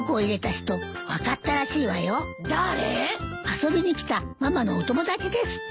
遊びに来たママのお友達ですって。